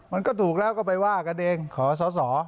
มันก็ถูกแล้วก็ไปว่ากันเองขอสอสอ